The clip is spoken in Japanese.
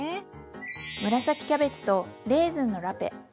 紫キャベツとレーズンのラペ。